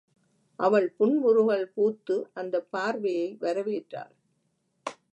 அவள் புன்முறுவல் பூத்து அந்தப் பார்வையை வரவேற்றாள்.